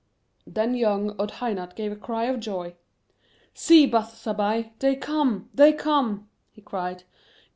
Then young Odhainat gave a cry of joy. "See, Bath Zabbai; they come, they come"! he cried.